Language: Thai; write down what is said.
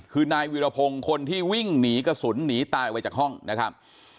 คือนายวิรพงศ์คนที่วิ่งหนีกระสุนหนีตายออกไปจากห้องนะครับ